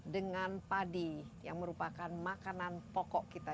dengan padi yang merupakan makanan pokok kita